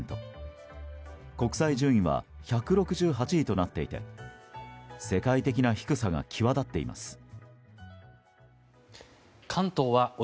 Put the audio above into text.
国際順位は１６８位となっていて世界的な低さが際立っています。